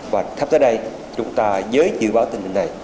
và khắp tới đây chúng ta với dự báo tình hình này